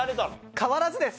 変わらずです。